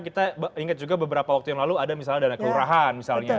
kita ingat juga beberapa waktu yang lalu ada misalnya dana kelurahan misalnya